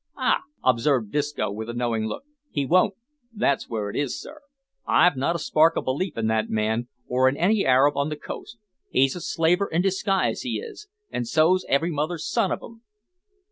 "Ah!" observed Disco, with a knowing look, "he won't that's where it is, sir. I've not a spark o' belief in that man, or in any Arab on the coast. He's a slaver in disguise, he is, an' so's every mother's son of 'em."